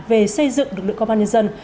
về xây dựng lực lượng công an nhân dân